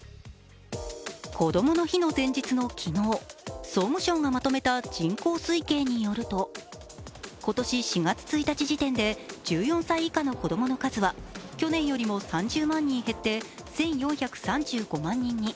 こどもの日の前日の昨日、総務省がまとめた人口推計によると今年４月１日時点で１４歳以下の子供の数は去年よりも３０万人減って１４３５万人に。